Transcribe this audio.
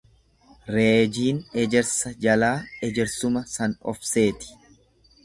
Reejiin ejersa jalaa ejersuma san of seeti.